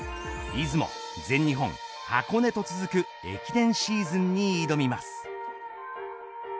出雲、全日本箱根と続く駅伝シーズンに挑みます。